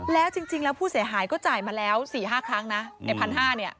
แล้วจริงแล้วผู้เสียหายก็จ่ายมาแล้ว๔๕ครั้งนะใน๑๕๐๐เนี่ย